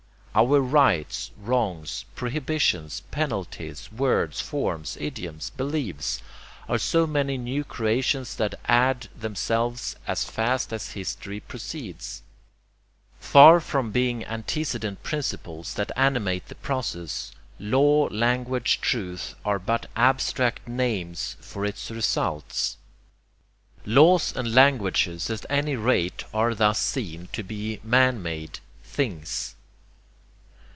Our rights, wrongs, prohibitions, penalties, words, forms, idioms, beliefs, are so many new creations that add themselves as fast as history proceeds. Far from being antecedent principles that animate the process, law, language, truth are but abstract names for its results. Laws and languages at any rate are thus seen to be man made: things.